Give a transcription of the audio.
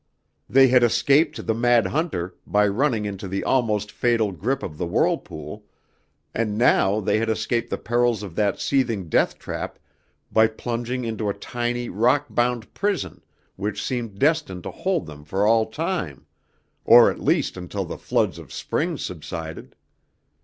They had escaped the mad hunter by running into the almost fatal grip of the whirlpool, and now they had escaped the perils of that seething death trap by plunging into a tiny rock bound prison which seemed destined to hold them for all time, or at least until the floods of spring subsided.